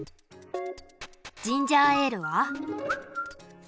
ジンジャーエールは？